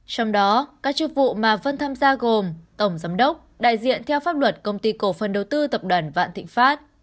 trong đó các chức vụ mà vân tham gia gồm tổng giám đốc đại diện theo pháp luật công ty cổ phần đầu tư tập đoàn vạn thịnh pháp